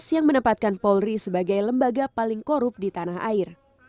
yang menempatkan polri sebagai lembaga paling korup di tanah air